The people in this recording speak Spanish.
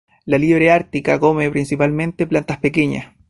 La liebre ártica come principalmente plantas pequeñas.